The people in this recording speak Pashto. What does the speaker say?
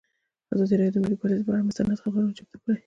ازادي راډیو د مالي پالیسي پر اړه مستند خپرونه چمتو کړې.